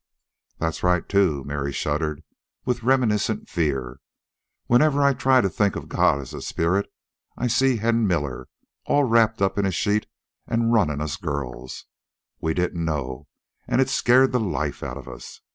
"That's right, too." Mary shuddered with reminiscent fear. "Whenever I try to think of God as a spirit, I can see Hen Miller all wrapped up in a sheet an' runnin' us girls. We didn't know, an' it scared the life out of us.